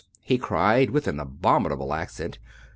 " he cried, with an abom inable accent.